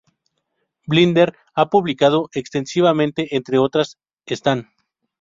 Binder ha publicado extensivamente, entre otras están.